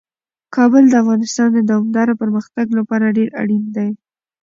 کابل د افغانستان د دوامداره پرمختګ لپاره ډیر اړین دی.